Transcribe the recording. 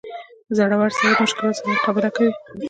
• زړور سړی د مشکلاتو سره مقابله کوي.